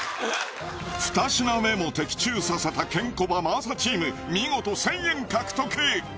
２品目も的中させたケンコバ・真麻チーム見事１０００円獲得